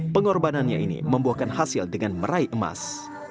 pengorbanannya ini membuahkan hasil dengan meraih emas